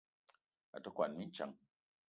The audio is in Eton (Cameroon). A te kwuan mintsang.